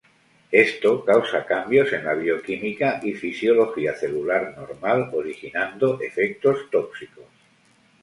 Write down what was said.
Esto causa cambios en la bioquímica y fisiología celular normal originando efectos tóxicos.